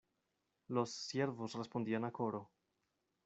los siervos respondían a coro.